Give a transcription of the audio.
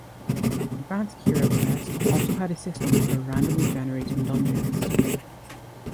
Advanced HeroQuest also had a system for randomly generating dungeons.